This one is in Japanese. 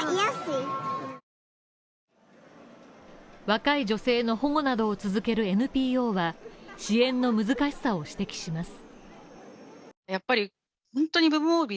若い女性の保護などを続けるＮＰＯは、支援の難しさを指摘します。